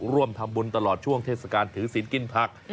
ร่วมทำบุญตลอดช่วงเทศกาลถือศิลป์กินผัก